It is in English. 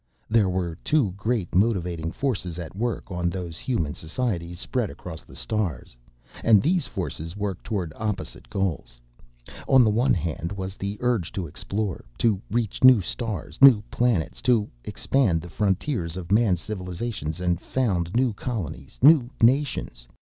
There were two great motivating forces at work on those human societies spread across the stars, and these forces worked toward opposite goals. On the one hand was the urge to explore, to reach new stars, new planets, to expand the frontiers of man's civilizations and found new colonies, new nations.